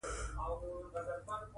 که خدای مکړه چا بغاوت